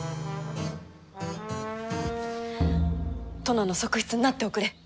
殿の側室になっておくれ。